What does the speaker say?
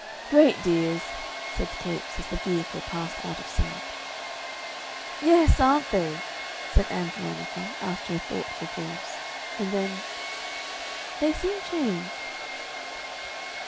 "Great dears!" said Capes, as the vehicle passed out of sight. "Yes, aren't they?" said Ann Veronica, after a thoughtful pause. And then, "They seem changed."